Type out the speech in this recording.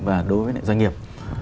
và đối với doanh nghiệp